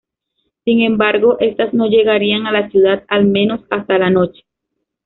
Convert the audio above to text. Sin embargo, estas no llegarían a la ciudad al menos hasta la noche.